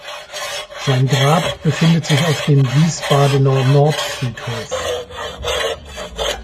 Sein Grab befindet sich auf dem Wiesbadener Nordfriedhof.